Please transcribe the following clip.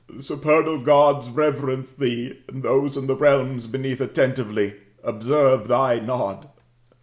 The supernal Gods reverence thee, and those in the realms beneath attentively observe thy nod.